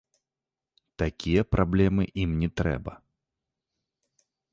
Такія праблемы ім не трэба.